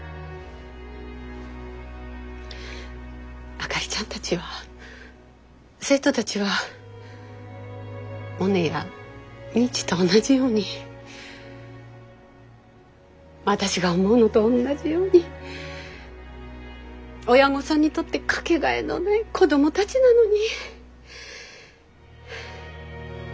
あかりちゃんたちは生徒たちはモネや未知と同じように私が思うのとおんなじように親御さんにとって掛けがえのない子供たちなのに。